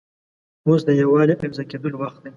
اوس د یووالي او یو ځای کېدلو وخت دی.